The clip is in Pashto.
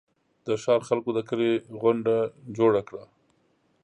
د ښار خلکو د کلي غونډه جوړه کړه.